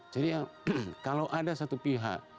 jadi kalau ada satu pihak